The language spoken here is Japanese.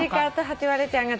ハチワレちゃんか。